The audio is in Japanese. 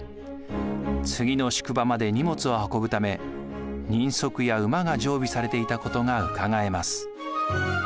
次の宿場まで荷物を運ぶため人足や馬が常備されていたことがうかがえます。